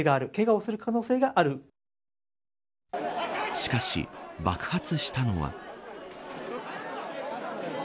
しかし、爆発したのは。